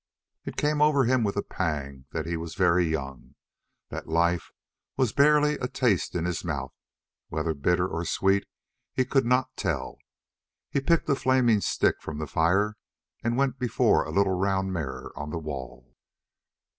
It came over him with a pang that he was very young; that life was barely a taste in his mouth, whether bitter or sweet he could not tell. He picked a flaming stick from the fire and went before a little round mirror on the wall.